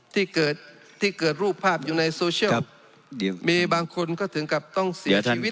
ที่เกิดที่เกิดรูปภาพอยู่ในโซเชียลมีบางคนก็ถึงกับต้องเสียชีวิต